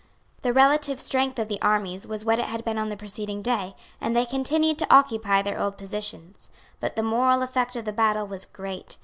The relative strength of the armies was what it had been on the preceding day; and they continued to occupy their old positions. But the moral effect of the battle was great.